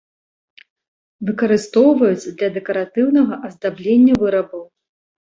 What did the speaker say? Выкарыстоўваюць для дэкаратыўнага аздаблення вырабаў.